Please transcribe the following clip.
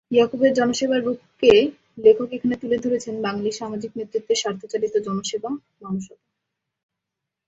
ইয়াকুবের জনসেবার রূপকে লেখক এখানে তুলে ধরেছেন বাঙালির সামাজিক নেতৃত্বের স্বার্থচালিত জনসেবা-মানসতা।